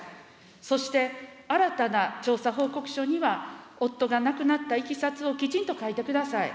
そして新たな調査報告書には、夫が亡くなったいきさつをきちんと書いてください。